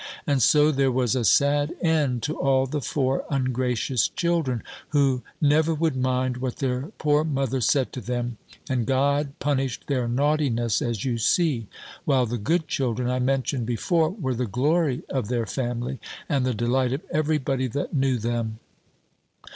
And so there was a sad end to all the four ungracious children, who never would mind what their poor mother said to them; and God punished their naughtiness as you see! While the good children I mentioned before, were the glory of their family, and the delight of every body that knew them."